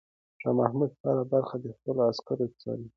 شاه محمود هره برخه د خپلو عسکرو څاري.